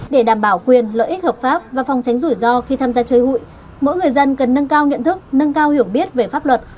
để đảm bảo quyền lợi ích hợp pháp và phòng tránh rủi ro khi tham gia chơi hụi mỗi người dân cần nâng cao nhận thức nâng cao hiểu biết về pháp luật